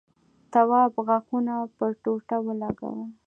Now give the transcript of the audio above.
تواب غاښونه پر ټوټه ولگول.